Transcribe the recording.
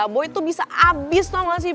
boy tuh bisa abis tau gak sih